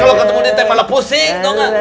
kalau ketemu diate malah pusing dong